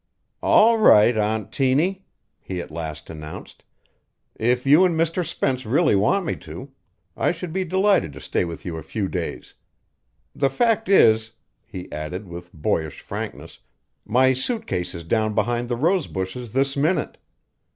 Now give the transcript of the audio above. "All right, Aunt Tiny," he at last announced, "if you an' Mr. Spence really want me to, I should be delighted to stay with you a few days. The fact is," he added with boyish frankness, "my suit case is down behind the rose bushes this minute.